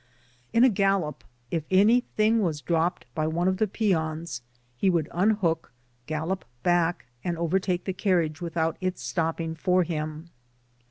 If, in a gallop, anything was dropped by one of the peons, he would unhook, gallop back, and over take the carriage without its stopping for him.